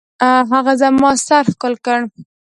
هغه زما سر ښکل کړ.